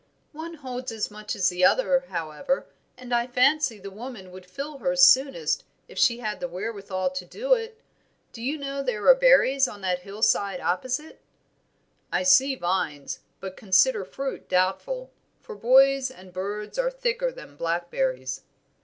"One holds as much as the other, however; and I fancy the woman would fill hers soonest if she had the wherewithal to do it. Do you know there are berries on that hillside opposite?" "I see vines, but consider fruit doubtful, for boys and birds are thicker than blackberries."